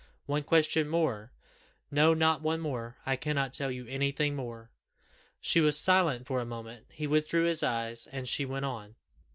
"One question more " "No, not one more I cannot tell you anything more." She was silent for a moment, he withdrew his eyes, and she went on.